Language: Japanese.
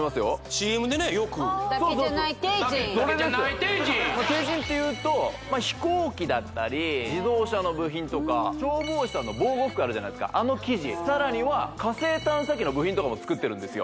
ＣＭでねよくテイジンっていうと飛行機だったり自動車の部品とか消防士さんの防護服あるじゃないですかあの生地さらには火星探査機の部品とかも作ってるんですよ